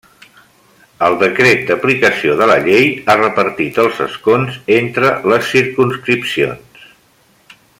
El decret d'aplicació de la llei ha repartit els escons entre les circumscripcions.